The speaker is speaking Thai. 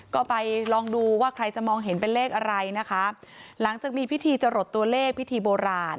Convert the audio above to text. ก็ไปลองดูว่าใครจะมองเห็นเป็นเลขอะไรนะคะหลังจากมีพิธีจรดตัวเลขพิธีโบราณ